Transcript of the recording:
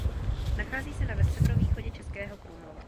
Nachází se na severovýchodě Českého Krumlova.